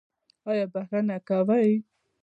ایا بخښنه کوئ؟